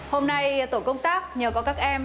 hôm nay tổ công tác nhờ có các em